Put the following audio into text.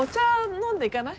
飲んでいかない？